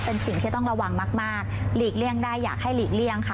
เป็นสิ่งที่ต้องระวังมากหลีกเลี่ยงได้อยากให้หลีกเลี่ยงค่ะ